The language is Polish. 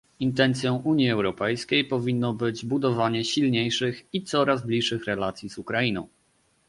Intencją Unii Europejskiej powinno być budowanie silniejszych i coraz bliższych relacji z Ukrainą